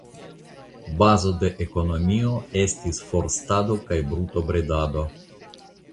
Bazo de ekonomio estis forstado kaj brutobredado.